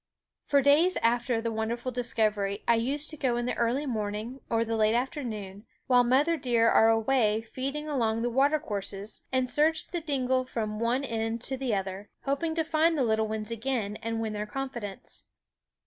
For days after the wonderful discovery I used to go in the early morning or the late afternoon, while mother deer are away feeding along the watercourses, and search the dingle from one end to the other, hoping to find the little ones again and win their confidence.